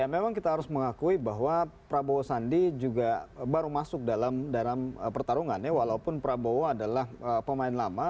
ya memang kita harus mengakui bahwa prabowo sandi juga baru masuk dalam pertarungannya walaupun prabowo adalah pemain lama